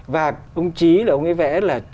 và ông trí là ông ấy vẽ là